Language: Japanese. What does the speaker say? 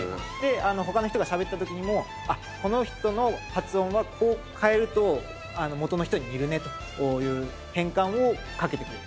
他の人がしゃべった時にも「この人の発音はこう変えると元の人に似るね」という変換をかけてくれる。